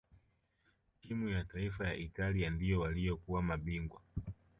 timu ya taifa ya italia ndio waliokuwa mabingwa